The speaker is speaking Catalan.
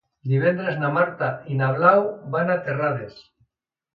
Divendres na Marta i na Blau van a Terrades.